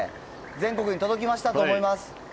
全国に届きましたと思います。